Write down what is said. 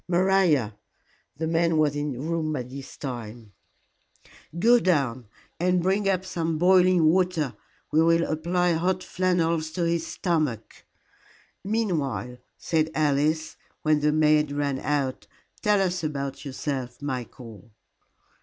"Maria" the maid was in the room by this time "go down and bring up some boiling water. We will apply hot flannels to his stomach." "Meanwhile," said Alice, when the maid ran out, "tell us about yourself, Michael."